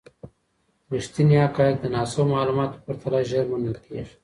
ریښتیني حقایق د ناسمو معلوماتو په پرتله ژر منل کیږي.